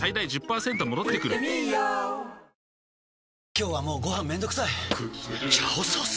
今日はもうご飯めんどくさい「炒ソース」！？